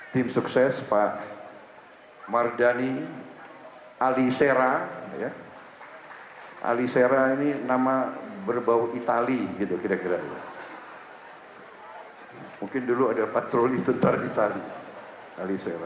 hai ali sera ini nama berbau itali gitu kira kira mungkin dulu ada patroli tentara itali ali sera